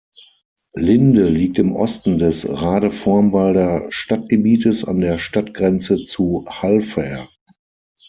Linde liegt im Osten des Radevormwalder Stadtgebietes an der Stadtgrenze zu Halver.